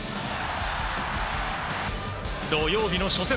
土曜日の初戦